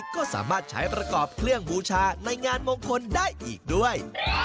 ก็สามารถใช้ประกอบเครื่องบูชาในงานมงคลได้อีกด้วย